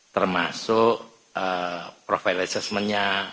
termasuk profil assessment nya